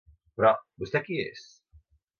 Però, vostè qui és?